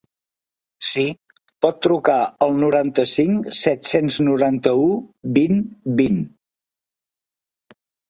Si, pot trucar al noranta-cinc set-cents noranta-u vint vint.